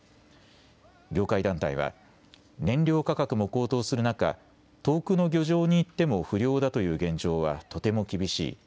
業界団体は燃料価格も高騰する中、遠くの漁場に行っても不漁だという現状はとても厳しい。